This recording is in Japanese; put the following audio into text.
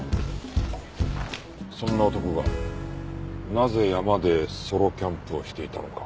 そんな男がなぜ山でソロキャンプをしていたのか。